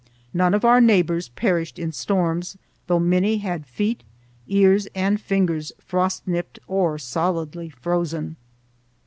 None of our neighbors perished in storms, though many had feet, ears, and fingers frost nipped or solidly frozen.